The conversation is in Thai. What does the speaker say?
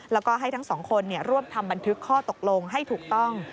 แล้วก็ให้ทั้งสองคนร่วมทำบันทึกข้อตกลงให้ถูกต้อง